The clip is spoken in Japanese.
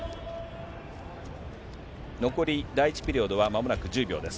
残り、第１ピリオドはまもなく１０秒です。